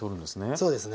そうですね。